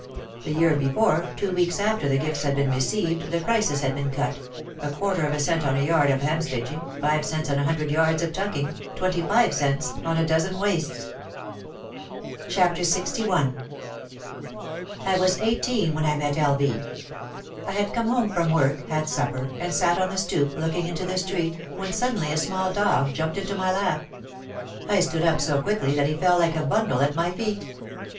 The year before, two weeks after the gifts had been received, the prices had been cut, a quarter of a cent on a yard of hemstitching, five cents on a hundred yards of tucking, twenty five cents on a dozen waists. 292 OUT OF THE SHADOW LXI I was eighteen when I met L. V. I had come home from work, had supper, and sat on the stoop looking into the street when suddenly a small dog jumped into my lap. I stood up so quickly that he fell like a bundle at my feet.